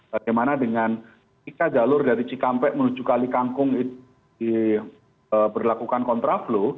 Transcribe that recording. bagaimana dengan jika jalur dari cikampek menuju kali kangkung berlakukan kontraflux